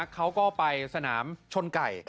เขาก็ไปสนามชนไก่